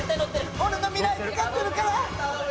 俺の未来かかってるから！